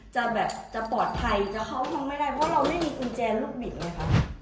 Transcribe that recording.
จะแบบจะปลอดภัยจะเข้าห้องไม่ได้เพราะเราไม่มีกุญแจลูกบิดเลยครับ